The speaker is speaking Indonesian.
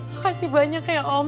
makasih banyak ya om